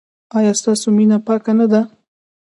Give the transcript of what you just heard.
ایا ستاسو مینه پاکه نه ده؟